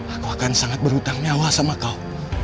aku akan sangat berhutang nyawa sama kau